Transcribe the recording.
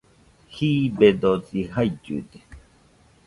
Jiibedosi jaillude